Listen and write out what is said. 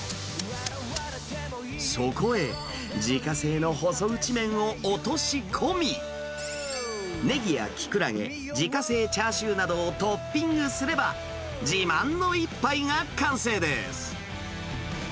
そこへ自家製の細打ち麺を落とし込み、ネギやキクラゲ、自家製チャーシューなどをトッピングすれば、自慢の一杯が完成です。